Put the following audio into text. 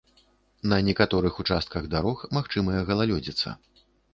На некаторых участках дарог магчымая галалёдзіца.